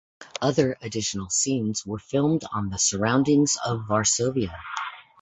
Other additional scenes were filmed on the surroundings of Varsovia.